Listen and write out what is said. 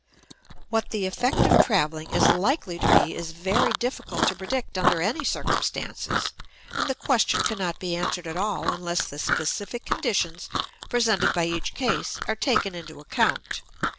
What the effect of traveling is likely to be is very difficult to predict under any circumstances, and the question cannot be answered at all unless the specific conditions presented by each case are taken into account.